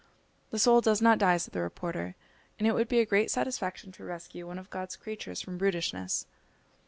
"The soul does not die," said the reporter; "and it would be a great satisfaction to rescue one of God's creatures from brutishness."